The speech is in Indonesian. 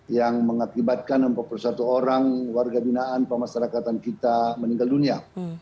yang mengakibatkan empat puluh satu orang warga binaan pemasarakatan kita meninggal dunia